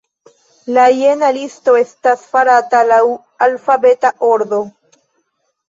La jena listo estas farata laŭ alfabeta ordo.